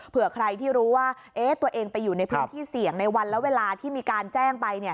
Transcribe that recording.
เผื่อใครที่รู้ว่าตัวเองไปอยู่ในพื้นที่เสี่ยงในวันและเวลาที่มีการแจ้งไป